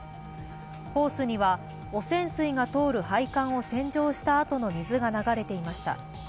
ホースには汚染水が通る配管を洗浄したあとの水が流れていました。